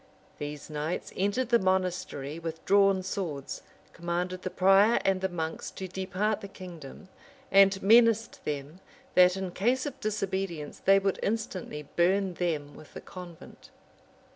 These knights entered the monastery with drawn swords, commanded the prior and the monks to depart the kingdom, and menaced them, that in case of disobedience they would instantly burn them with the convent.